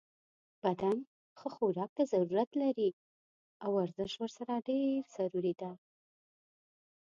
بدن ښه خوراک ته ضرورت لری او ورزش ورسره ډیر ضروری ده